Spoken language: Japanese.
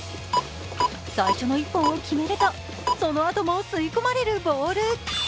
最初の１本を決めるとそのあとも吸い込まれるボール。